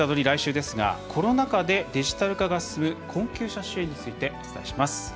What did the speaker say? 来週ですがコロナ禍でデジタル化が進む困窮者支援についてお伝えします。